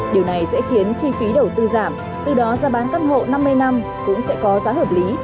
điều này sẽ khiến chi phí đầu tư giảm từ đó ra bán căn hộ năm mươi năm cũng sẽ có giá hợp lý